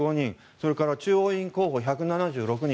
それから中央委員候補１６７人